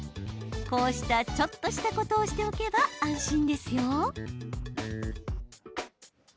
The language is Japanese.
こうした、ちょっとしたことをしておけば安心ですよ。